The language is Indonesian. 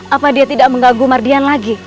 apa dia tidak mengganggu mardian lagi